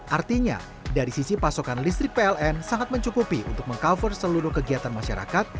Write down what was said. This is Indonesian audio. artinya dari sisi pasokan listrik pln sangat mencukupi untuk meng cover seluruhnya